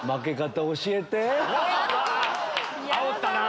あおったなぁ！